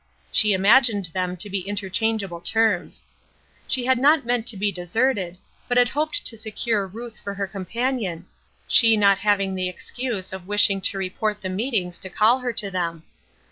She imagined them to be interchangeable terms. She had not meant to be deserted, but had hoped to secure Ruth for her companion, she not having the excuse of wishing to report the meetings to call her to them.